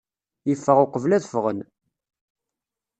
Yeffeɣ uqbel ad ffɣen.